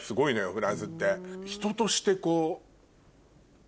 フランスって。